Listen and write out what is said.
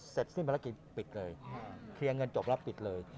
เสร็จสิ้นภารกิจปิดเลยเคลียร์เงินจบแล้วปิดเลย